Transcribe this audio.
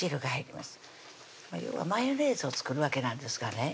要はマヨネーズを作るわけなんですがね